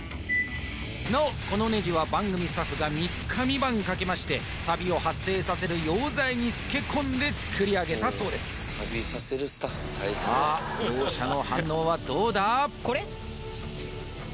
なおこのネジは番組スタッフが３日３晩かけましてサビを発生させる溶剤に漬け込んで作り上げたそうですさあ両者の反応はどうだ？